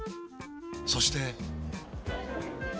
そして。